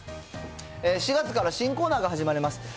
４月から新コーナーが始まります。